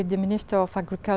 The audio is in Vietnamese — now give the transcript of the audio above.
thêm nhiều kế hoạch